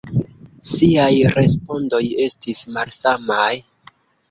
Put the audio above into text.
Siaj respondoj estis malsamaj.